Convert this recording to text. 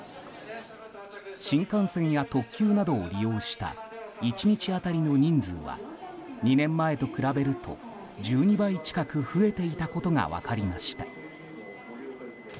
新幹線や特急などを利用した１日当たりの人数は２年前と比べると１２倍近く増えていたことが分かりました。